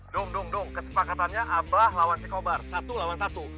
dung dung dung kesepakatannya abah lawan si cobra satu lawan satu